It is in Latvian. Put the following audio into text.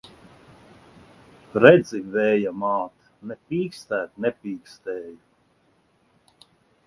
Redzi, Vēja māt! Ne pīkstēt nepīkstēju!